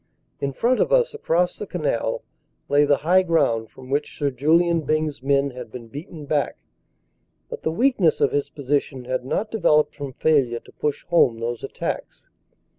In front of us, across the canal, lay the high ground from which Sir Julian Byng s men had been beaten back. But the weakness of his position had not developed from failure to push home those attacks.